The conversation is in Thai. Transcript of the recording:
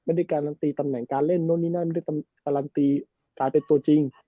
ไม่ได้การันตีตำแหน่งการเล่นโน้นนี่นั่นไม่ได้การันตีกลายเป็นตัวจริง